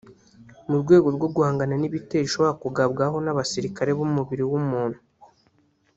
mu rwego rwo guhangana n’ibitero ishobora kugabwaho n’abasirikare b’umubiri w’umuntu